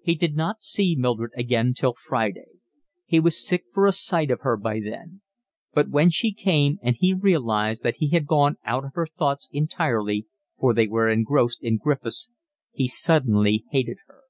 He did not see Mildred again till Friday; he was sick for a sight of her by then; but when she came and he realised that he had gone out of her thoughts entirely, for they were engrossed in Griffiths, he suddenly hated her.